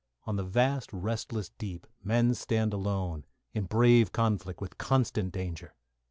On the vast, restless deep men stand alone, in brave conflict with constant danger.